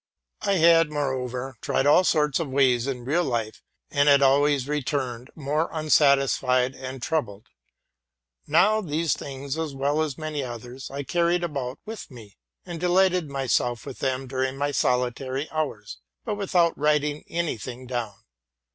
I had, moreover, tried all sorts of ways in real life, and had always returned more unsatisfied and troubled. Now, these things, as well as many others, I carried about with me, and delighted myself with them during my solitary hours, but without writing any thing down.